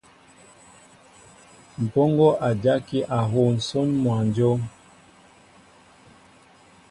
Mpoŋo a jaki a huu nsón mwănjóm.